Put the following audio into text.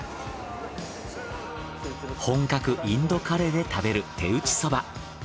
本格インドカレーで食べる手打蕎麦。